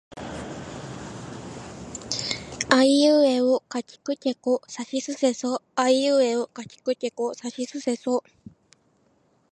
あいうえおかきくけこさしすせそあいうえおかきくけこさしすせそ